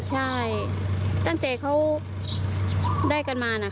ใช่ตั้งแต่เขาได้กันมานะ